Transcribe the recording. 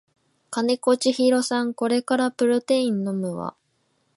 金子千尋さんこれからプロテイン飲むわ